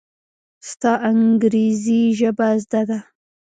ستا انګرېزي ژبه زده ده!